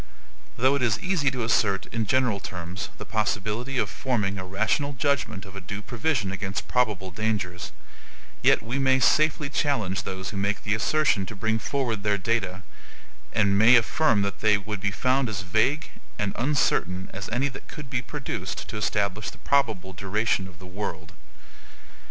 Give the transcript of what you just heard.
Though it is easy to assert, in general terms, the possibility of forming a rational judgment of a due provision against probable dangers, yet we may safely challenge those who make the assertion to bring forward their data, and may affirm that they would be found as vague and uncertain as any that could be produced to establish the probable duration of the world.